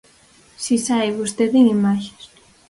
Si sae vostede en imaxes.